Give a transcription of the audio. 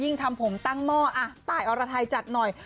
ยิ่งทำผมตั้งหมออ่าตายออนาทัยจัดหน่อย